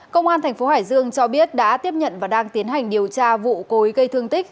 công an thành phố hải dương cho biết đã tiếp nhận và đang tiến hành điều tra vụ cối gây thương tích